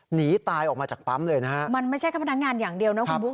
หนีตายออกมาจากปั๊มเลยนะฮะมันไม่ใช่แค่พนักงานอย่างเดียวนะคุณบุ๊